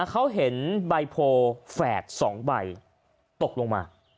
เขาเห็นใบโพแฝด๒ใบตกลงมา